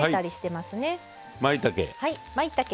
まいたけ。